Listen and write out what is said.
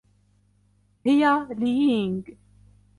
هي لي يينغ.